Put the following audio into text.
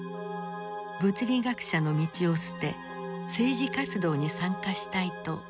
物理学者の道を捨て政治活動に参加したいと申し出た。